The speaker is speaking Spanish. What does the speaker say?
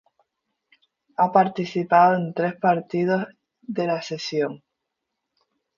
Ha participado en tres partidos de la selección.